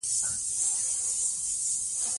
سیاسي نظام ولس ته ځواب ورکوي